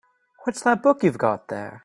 What's that book you've got there?